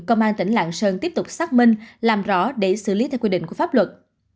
công an tỉnh lạng sơn tiếp tục xác minh làm rõ để xử lý theo quy định của pháp luật